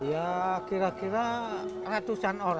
ya kira kira ratusan orang